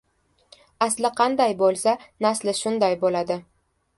• Asli qanday bo‘lsa, nasli shunday bo‘ladi.